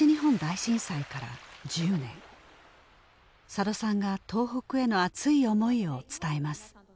佐渡さんが東北への熱い思いを伝えます